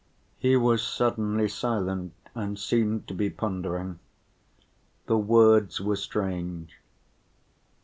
He was suddenly silent and seemed to be pondering. The words were strange.